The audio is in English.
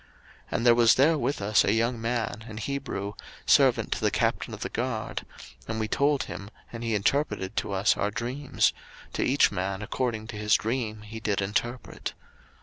01:041:012 And there was there with us a young man, an Hebrew, servant to the captain of the guard; and we told him, and he interpreted to us our dreams; to each man according to his dream he did interpret.